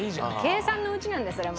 計算のうちなんですそれも。